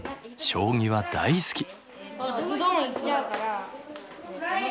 将棋は大好き。